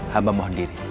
hamba mohon diri